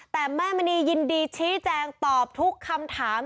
แต่แม่มณียินดีชี้แจงตอบทุกคำถาม